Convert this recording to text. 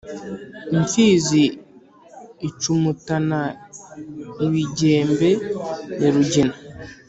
Imfizi icumutana ibigembe ya Rugina